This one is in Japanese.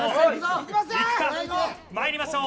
まいりましょう。